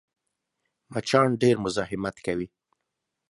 مچان ډېر مزاحمت کوي